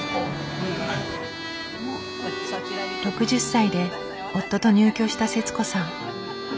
６０歳で夫と入居した節子さん。